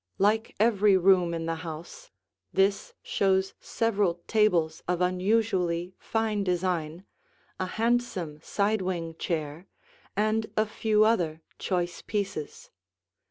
Like every room in the house, this shows several tables of unusually fine design, a handsome side wing chair, and a few other choice pieces.